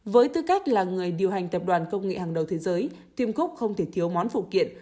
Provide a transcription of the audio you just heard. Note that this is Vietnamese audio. với tư cách là người điều hành tập đoàn công nghệ hàng đầu thế giới tim coop không thể thiếu món phụ kiện